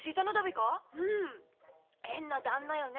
⁉うん変な旦那よね